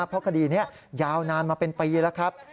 เพราะคดีนี้ยาวนานมาเป็นปีแล้วครับ